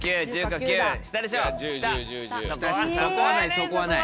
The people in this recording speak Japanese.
そこはない